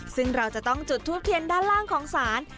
ซึ่งเราจะต้องจุดทูปเทียนด้านล่างของศาล